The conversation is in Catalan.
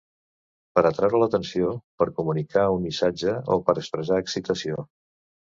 Per atraure l'atenció, per comunicar un missatge o per expressar excitació.